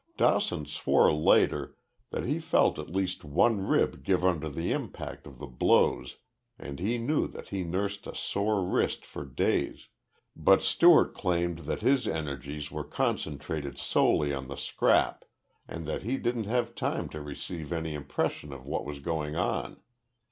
Dawson swore later that he felt at least one rib give under the impact of the blows and he knew that he nursed a sore wrist for days, but Stewart claimed that his energies were concentrated solely on the scrap and that he didn't have time to receive any impression of what was going on.